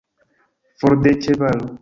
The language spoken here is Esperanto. For de ĉevalo!